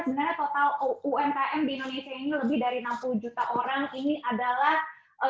sebenarnya total umkm di indonesia ini lebih dari enam puluh juta orang ini adalah